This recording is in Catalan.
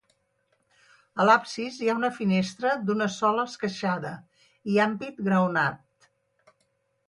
A l'absis hi ha una finestra d'una sola esqueixada i ampit graonat.